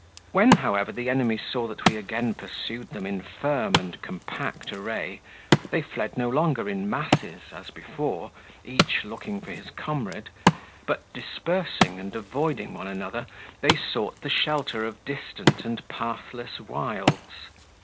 When, however, the enemy saw that we again pursued them in firm and compact array, they fled no longer in masses as before, each looking for his comrade; but dispersing and avoiding one another, they sought the shelter of distant and pathless wilds.